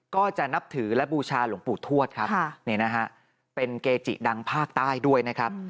ก็จะนับถือและบูชาหลวงปู่ทวดครับนี่นะฮะเป็นเกจิดังภาคใต้ด้วยนะครับ